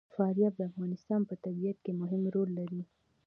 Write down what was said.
فاریاب د افغانستان په طبیعت کې مهم رول لري.